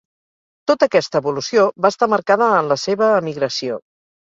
Tota aquesta evolució va estar marcada en la seva emigració.